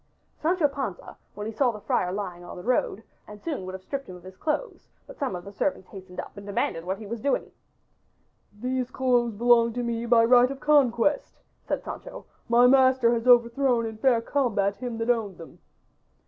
Sancho Panza, when he saw the friar lying on the road, ran up to him and soon would have stripped him of his clothes but some of the servants hastened up and demanded what he was doing. "These clothes belong to me by right of conquest," said Sancho. "My master has overthrown in fair combat him that owned them."